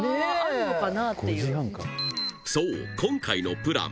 そう今回のプラン